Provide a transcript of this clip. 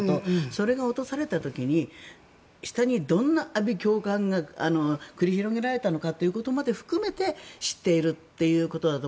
それが落とされた時に下にどんな阿鼻叫喚が繰り広げられたのかということまで含めて知っているということだと。